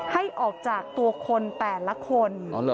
ให้ออกจากตัวคนแต่ละคน